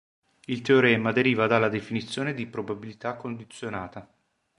Il teorema deriva dalla definizione di probabilità condizionata.